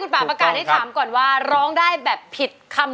คุณเอโรงได้หรือว่ารองผิดครับ